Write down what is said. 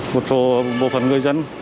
bộ phận người dân